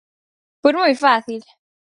Pois moi fácil.